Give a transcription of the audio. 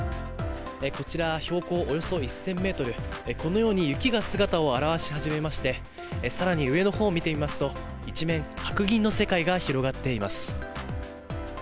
こちら、標高およそ１０００メートル、このように、雪が姿を現し始めまして、さらに上のほうを見てみますと、一面白銀の世界が広がっています。